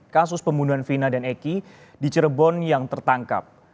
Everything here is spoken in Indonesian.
kasus pembunuhan vina dan eki di cirebon yang tertangkap